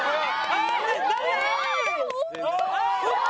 ああ！